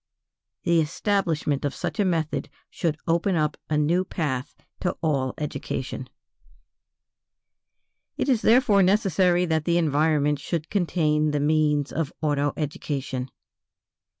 The establishment of such a method should open up a new path to all education. It is therefore necessary that the environment should contain the means of auto education.